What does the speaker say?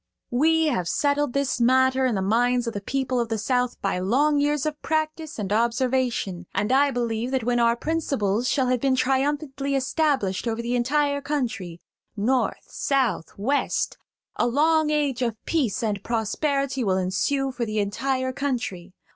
We have settled this matter in the minds of the people of the South by long years of practice and observation; and I believe that when our principles shall have been triumphantly established over the entire country–North, South, West–a long age of peace and prosperity will ensue for the entire country.